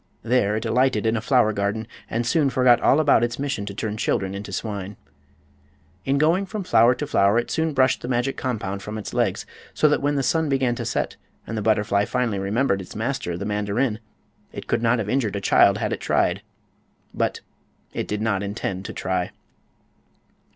There it alighted in a flower garden and soon forgot all about its mission to turn children into swine. In going from flower to flower it soon brushed the magic compound from its legs, so that when the sun began to set and the butterfly finally remembered its master, the mandarin, it could not have injured a child had it tried. But it did not intend to try.